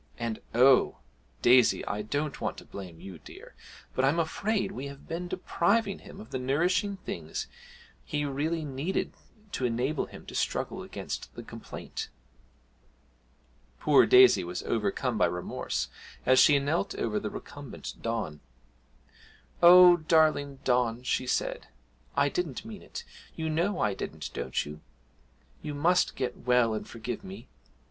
And, oh! Daisy, I don't want to blame you, dear but I'm afraid we have been depriving him of the nourishing things he really needed to enable him to struggle against the complaint!' Poor Daisy was overcome by remorse as she knelt over the recumbent Don. 'Oh, darling Don,' she said, 'I didn't mean it you know I didn't, don't you? You must get well and forgive me!